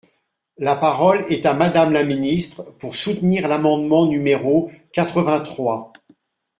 La parole est à Madame la ministre, pour soutenir l’amendement numéro quatre-vingt-trois.